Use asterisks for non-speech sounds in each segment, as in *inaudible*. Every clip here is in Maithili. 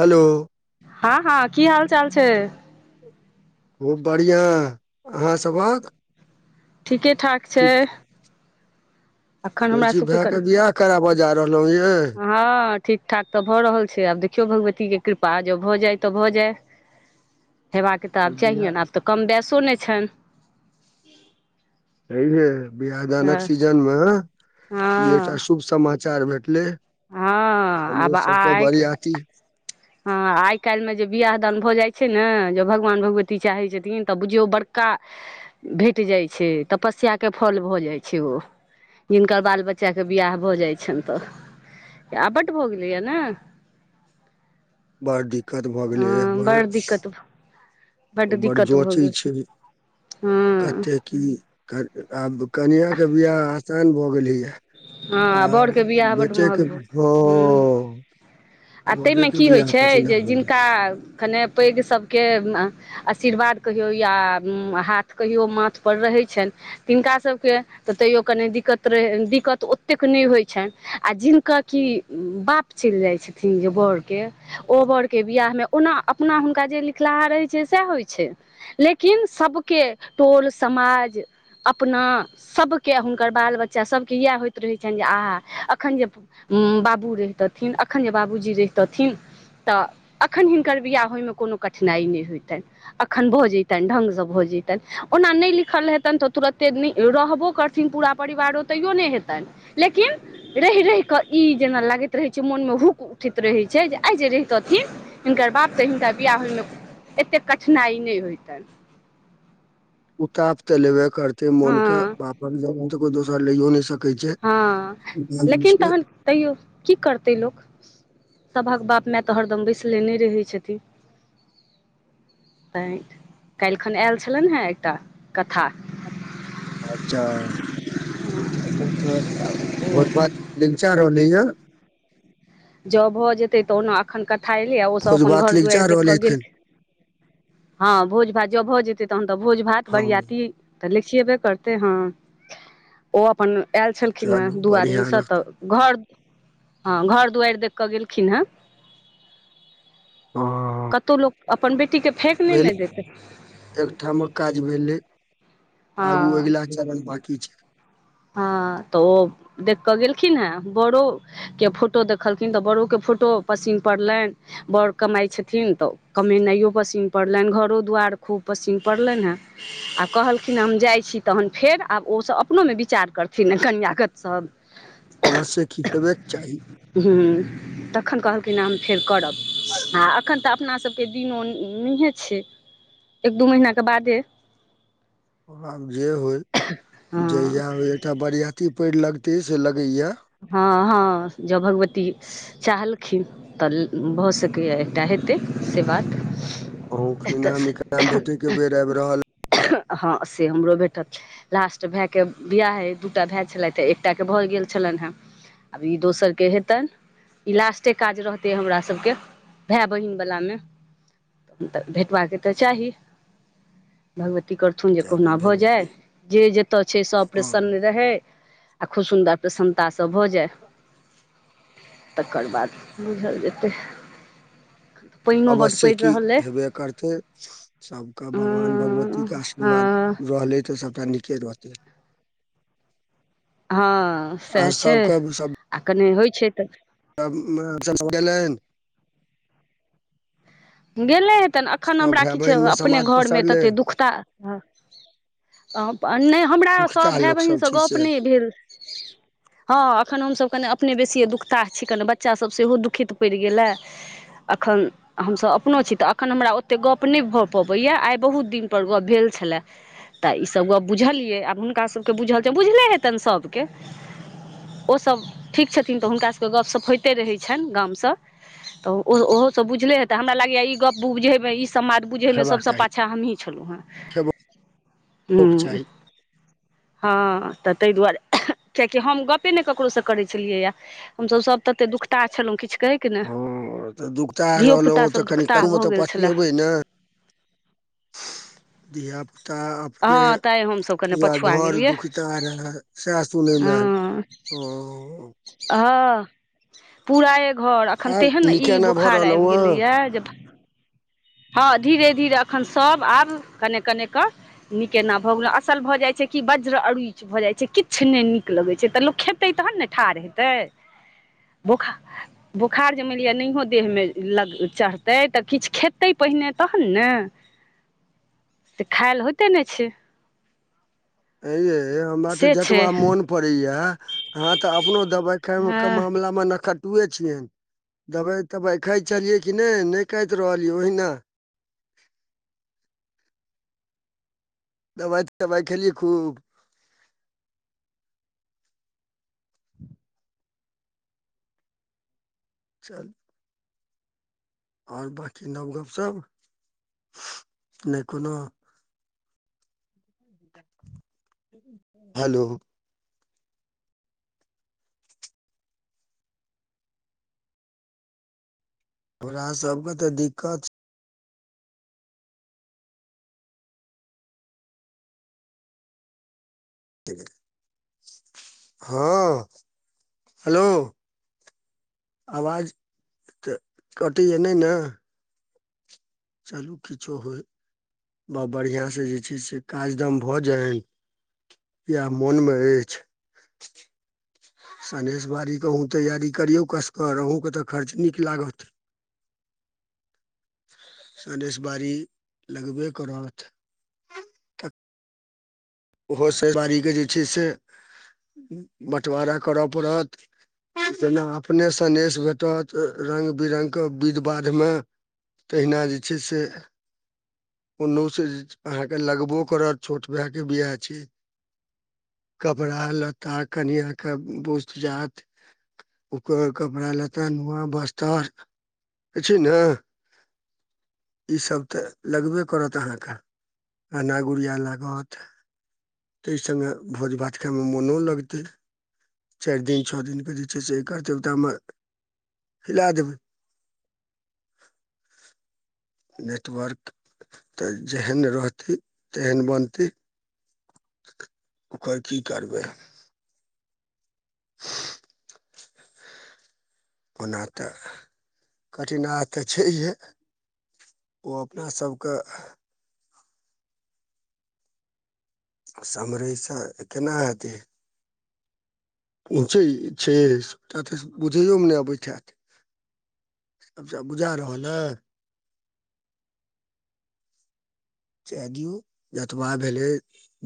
हेलो हँ हँ की हाल चाल छै खूब बढ़ियां अहाँ सभक ठीके ठाक छै ठीक अखन सुनै हमरा छी सबके भायके कन बियाह कराबऽ जा रहलौं ये हँ ठीकठाक तऽ भऽ रहल छै आब देखियौ भगवतीके कृपा जँ भऽ जाइ तऽ भऽ जाइ हेबाक तऽ अरे आब बियाह चाहियै ने आब तऽ कम बेसो नहि छनि ह हे बियाह दानक हँ सीजनमे ई एकटा हँ शुभ समाचार भेटलै हँ आब हमरो सबका आइ बारी आती हँ आइ काल्हिमे जे बिआह दान भऽ जाइत छै ने जँ भगवान भगवती चाहैत छथिन तऽ बुझियौ बड़ का भेट जाइ छै तपस्या के फल भऽ जाइ छै ओ हिनका बाल बच्चा के बियाह भऽ जाइ छनि तऽ याबट भ गालय हाँ न बड़ दिक्कत भऽ गेलै ए हँ बर बड़ दिक्कत बड्ड बड़ दिक्कत भऽ जोचे गेल छै हँ कतेक कर आब कनिआ के बियाह आसान भऽ गेलीया ह बरके वियाह बड्ड महग भऽ ह हँ आ बड़े तयमे के कि होइत बियाह छै कठिना जे भऽ गेल जिनका कने पैघ सभके आशीर्वाद कहियौ या हाथ कहियो माथपर रहैत छैन। तिनका सभके तऽ तैयो कनि दिक्कत रहे दिक दिक्कत ओतेक नहि होई छनि आओ जिनका कि बाप चलि जाई छथिन जे बोर के ओबरके वियाहमे ओना अपना हुनका जे लिखलाहा रहैत छै सएह होई छै लेकिन सभके टोल समाज अपना सभके हुनकर बाल बच्चा सभके इएह होइत रहै छनि जे आहा एखन ज बाबू रहितथिन एखन जे बाबूजी रहितथिन तऽ एखन हिनकर बिआह होई मे कोनो कठिनाइ नहि होइतनि एखन भऽ जैतनि ढ्गसँ भऽ जैतनि ओना नहि लिखल हेतनि तऽ तुरते नहि रहबो करतनि थीन पूरा परिवारो तेयो नहि हेतनि लेकिन रहि रहि कऽ ई जेना लागैत रहैत छै मोनमे हुक उठैत रहैत छै जे आई जे रहितथिन हिनकर बाप तऽ हिनका बियाह होइमे एतेक कठिनाइ नहि होइतनि उताप तऽ लेबे करते मोन के हँ वापर जग तऽ कोई दोसर लयो नै सकत ह लेकिन तहन तै कि करतै लोक सभ कऽ बाप माय तऽ हरदम बैसलेने रहै छथिन तै काल्हिखन आयल छलनि हे एकटा कथा अच्छा बहुत बात। चार होल या ज भऽ जेतै तऽ ओना एखन कथा एलै आ ओसभ भोज अपन भात घर निचा दुआरि देख रहलै कऽ एखन गेलखिन ह भोज भात जब भऽ जेतै तहन तऽ भोज भात हँ बरियात तऽ लिखियेबे करते हँ ओ अपन आयल छलखिन हे चलू दू बढ़िया आदमीसँ रह तऽ घर ह घर दुआरि देख कऽ गेलखिन ह हँ कतहु लोक अपन बेटीके फेक नहि भेलै ने जेतै एकठामक काज भेलै आगू हँ अगिला चरण बाकि छै ह तऽ ओ देख कऽ गेलखिन हे बड़ो के फोटो देखलखिन तऽ बड़ो के फोटो पसन पड़लनि बड़ कमाई तऽ छथिन तऽ कमेनाई यओ पसन पड़लनि घरो दुआरि खूब पसीन पड़लनि हे आ कहलखिन हम जाई छी तहन फेर आब ओसभ अपनो मे उपचार करथिन कनियागत सभ। अवश्य खी हेबे के चाही हू तखन कहलखिन हम फेर करब आ एखन तऽ अपनासभके दिनो नहि छै एक दू महीनाके बादे आब जे होय हँ जहिया एकटा बरियाती पेड़ लगते से लगेया। ह ह जौ भगवती चाहल खिन तऽ भऽ सकैए एकटा हेते से बात अहू इना मिथिला मे भेटे के बेर आबि रहल ह से हमरो भेटल छै लास्ट भायके ब्याह हइ दू टा भाय छलथि एकटाके भऽ गेल छलनि हे आब ई दोसर के हेतनि। ई लास्टे काज रहते हमरा सभके भाय बहिन वाला मे तऽ भेटबाका के तऽ चाही भगवती करे रथुन जे चालू कहुना भऽ भेलै जाई की जे जतऽ छै से ऑपरेशन हँ मे रहे आओर खूब सुन्दर प्रसन्नता स भऽ जाए तकर बाद बुझल जेतै पानिओ बड्ड अवश्ये पड़ि की रहल अइ हेबे करतै सबके अ भगवान भगवती के आशीर्वाद रहलै तऽ सबटा नीके रहतै तऽ *inaudible* हँ सैह छै सब आ कने होइ छै तऽ सब गेलनि *unintelligible* गेलै हेतैन एखन सब हमरा भाय किछु बहिन मे अपने समाज घरमे पसरले तते दुखता रहे नय हमरा दुखिता सभ भे लोक सब बहिनसँ छी गप्प से नय भेल हँ एखन हमसभ कनि अपने बेसियए दुखताह छी कनि बच्चासभ सेहो दुखित पड़ि गेलए अखन हमसब एखनो छी तऽ एखन हमरा ओतेक गप्प नय भऽ पबैए आइ बहुत दिनपर गप्प भेल छलए। तऽ ईसभ गप बुझलियै आब हुनकाभकेँ बुझल छै बुझले हेतनि सभके ओसभ ठीक छथिन तऽ हुनका सबके गपशप होइते रहै छनि गामसँ तऽ ओहो सब बुझले हेत हमरा लागै ई गप बुझैमे ई समाद बुझै मे हेबाक सबसँ चाही पाछाँ हमही छलहुँ हेन हेबो के हँ चाही हँ तऽ ताहि दुआरे कियेकि हम गप्पे नय ककरोसँ करै छलियैए हमसभ सभ तते दुखता छलौं किछु कहै के नय धियो पुता सब दुख कनिओ *unintelligible* तऽ पछुऐबै ने धिया पुता आब हँ तैंय हमसभ कने पछुआ गेलियै दुखिता रहए सएह सुनयमे हँ आयल ओ हँ पूरा ए घर आ एखन आर तेहन ई नीके एना भऽ बोखार आबि रहलहुँ हेँ गेलैए जे हँ धीरे धीरे एखन सभ आब कने कनेक नीक एना भऽ गेलहु असल भऽ जाइत छै कि वज्र अरुच भऽ जाइत छै किछ नय नीक लगैत छै तऽ लोक खेत खेतै तहन ने ठाढ़ हेतै बोखार बोखार जे मानि लिअ नहियों देहमे लग चढ़तै तऽ किछ खेतै खेतै पहिने तहन ने खायल होइते नय छै आंय ये हमरा ते से छै जतबा मोन पड़े ये अहाँ तऽ अपनो दवाइ खेर ओकर हँ मामला मे नखर तुऐ छियनि दवाइ तवाइ खाइत छलियै कि नय नय काइत रहलियै ओहिना दबाइ तबाइ खेलियै खूब *inaudible* चल आर बाँकी नव गपशप नय कोनो हेलो तोरा सब के तऽ दिक्कत हँ हेलो आवाज तऽ कटैये नय ने चलू किछो होय ब बढ़ियाँ से जे छै से काज दम भऽ जाय इहा मोन मे अछि सनेस बाड़ी के अहाँ तैयारी करियौ कसकर अहूंके तऽ खर्च नीक लागत सनेस बाड़ी लगबे करत ओहो से अइ बारीे जे छै से बटवारा करय पड़त जेना अपने सनेेस भेटत रंग बिरंगके विध बाधमे तहिना जे छै से ओनो स अहाँकेँ लगबो करत छोट भाय केँ बियाह छी कपड़ा लत्ता कनिआ के बूझ जात ओकर कपड़ा लत्ता नुआ बस्तर अछि न ईसभ तऽ लगबे करत अहाँ कऽ *inaudible* गहना गुड़िया लागत तैय संगे भोज भात खाइमे मोनो लगतै चैर दिन छ दिन केँ जे छै से *unintelligible* हिला देबै नेटवर्क *inaudible* तऽ जेहन रहतै तेहन बनतै *inaudible* ओकर की करबै *unintelligible* ओना तऽ *inaudible* कठिनाह तऽ छैहे ओ अपना सभ कऽ समरै स केना हेतै छैय छैय *unintelligible* बुझैमे नै अबैत हैत अब जा बुझा रहलै जाए दियौ जतबा भेलै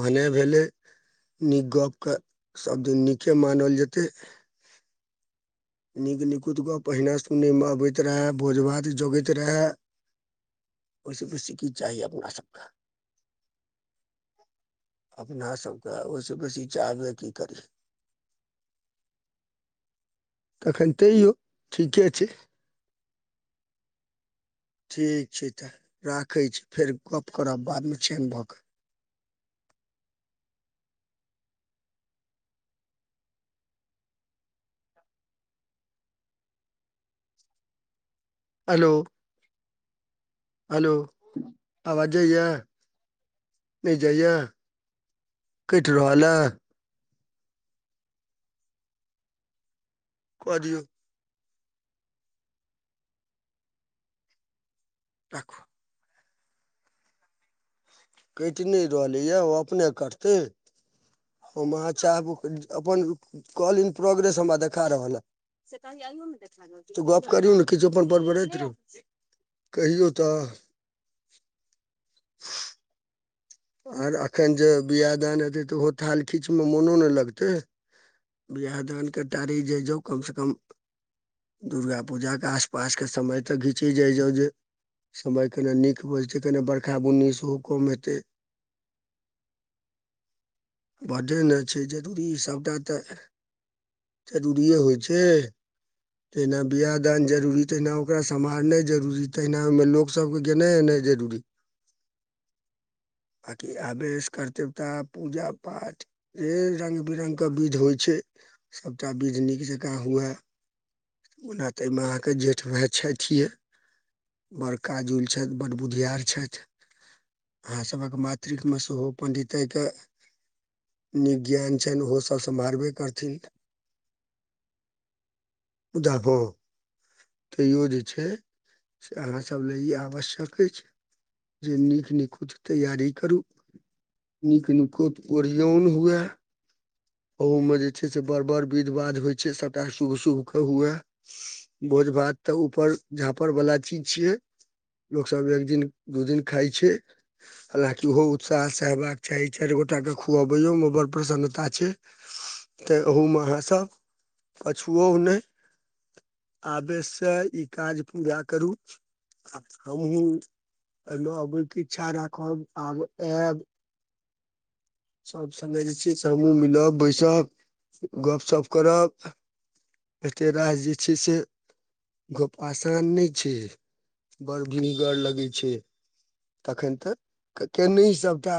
भने भेलै नीक गप कऽ सब दिन नीके मानल जेतै नीक निकुत गप अहिने सुनै मऽ अबैत रहै भोज भात जोगैत रहए ओइ स बेसी की चाही अपना सब कऽ अपना सब कऽ ओइ स बेसी चाहबे की करी तखन तैयो *inaudible* ठीके छै ठीक छै तऽ राखै छी फेर गप करब बाद में चेन भऽ कऽ हेलो। हेलो *inaudible* आवाज जै यऽ नै जाइ यऽ *inaudible* कैट रहल अ कऽ दियऔ राखु काइट नै रहलैए ओ अपने कटतै ओ *unintelligible* अपन कोलिंग प्रोग्रेस हमरा देखा रहल यऽ अहियो में देखे रहल गप करही न किछ अपन बड़ - बड़ैत रहूँ *inaudible* कहियौ तऽ *unintelligible* आर एखन जे बियाह दान हेतै तऽ ओहो थाल खींचमे मोनो नै लगतै वियाह दाने टारै जय जैअ कम स कम दुर्गा पूजा कऽ आस पास कऽ समय तऽ घिचै जाइ जाउ जे समय कने नीक भजैते कने बर्खा बुन्नी सेहो कम हेतै बडडे ने छै जरूरी सभटा तऽ *inaudible* जरूरिए होइ छै तहिना बियाह दान जरुरी तहिना ओकरा सम्हारनाइ जरूरी तहिना ओइमे लोक सब केँ गेना एनाइ जरुरी आ की आवेश कतेवता पूजा पाठ ऐ रंग बिरंग कऽ विधि होइ छै सभटा विध नीक जँका हुए ओना तऽ यैमे अहाँकेँ जेठ भाइ छैथिए बड़ काजूल छैथ बड़ बुधियार छैथ *inaudible* अहाँ अहाँ कऽ मातृक में सेहो पण्डिताय कऽ नीक ज्ञान छैन ओहो सभ सम्हारबे करथिन उदाप हा तैयो जे छै से अहाँ सभ लऽ ई आवश्यक अछि जे नीक नीकुत तैयारी करू नीक नुकोत ओरियन हुए ओहूमे जे छै से बड़ बड़ विध बाध होई छै सभटा शुभ शुभके हुए भोज भात तऽ ऊपर झाँपड़ वाला चीज छियै लोको सभ एक दिन दू दिन खाई छै हलकि ओहो उत्साह से हेबाक चाही चारि गोटा के खुवबेयो मे बड़ प्रसन्नता छै तऽ ओहू मे अहाँ सभ पछुओ नहि आवेष सँ ई काज पूरा करू हमहु एहिमे अबैके इच्छा राखब आब आयब सभ संगे जे छै हमू मिलब बैसब गपशप करब एते रास जे छै सँ गप आसान नहि छै बड़ भिगर लगै छै तखन तऽ केन सभटा